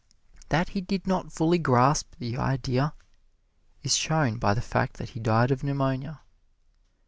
That he did not fully grasp the idea is shown by the fact that he died of pneumonia.